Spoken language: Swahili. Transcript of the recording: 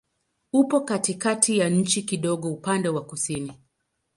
Upo katikati ya nchi, kidogo upande wa kusini.